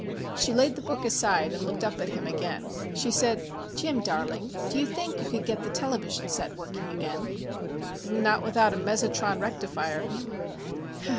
She laid the book aside and looked up at him again. She said, "Jim, darling, do you think you could get the television set working again?" "Not without a mesotron rectifier."